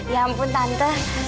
ya ampun tante